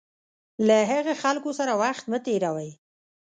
له هغه خلکو سره وخت مه تېروئ.